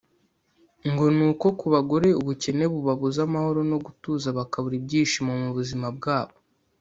ngo ni uko ku bagore ubukene bubabuza amahoro no gutuza bakabura ibyishimo mu buzima bwabo